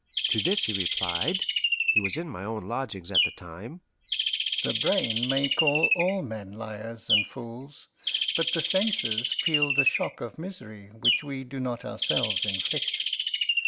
To this he replied he was in my own lodgings at the time "The brain may call all men liars and fools, but the senses feel the shock of misery which we do not ourselves inflict.